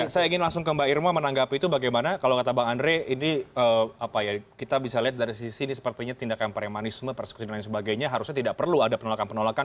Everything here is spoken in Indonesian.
saya ingin langsung ke mbak irma menanggapi itu bagaimana kalau kata bang andre ini kita bisa lihat dari sisi ini sepertinya tindakan premanisme persekusi dan lain sebagainya harusnya tidak perlu ada penolakan penolakan